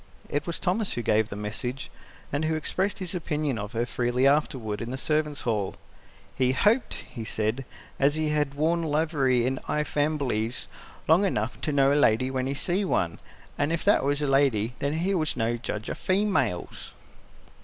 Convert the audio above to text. It was Thomas who gave the message, and who expressed his opinion of her freely afterward, in the servants' hall. He "hoped," he said, "as he had wore livery in 'igh famblies long enough to know a lady when he see one, an' if that was a lady he was no judge o' females."